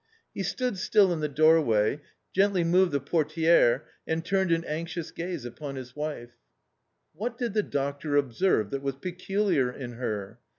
He stood still in the doorway, gently moved the portibre^ and turned an anxious gaze upon his wife. What did the doctor observe that was peculiar in her?